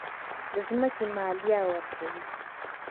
د ځمکې مالیه ورکوئ؟